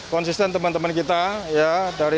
konsisten teman teman kita ya dari